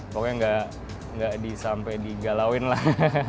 pokoknya nggak sampai digalauin lah